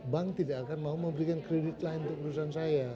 bank tidak akan mau memberikan kredit lain untuk perusahaan saya